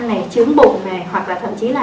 này chướng bụng này hoặc là thậm chí là